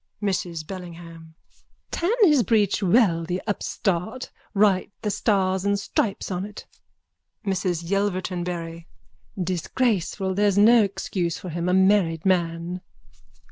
MRS BELLINGHAM: Tan his breech well, the upstart! Write the stars and stripes on it! MRS YELVERTON BARRY: Disgraceful! There's no excuse for him! A married man!